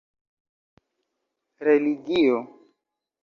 religio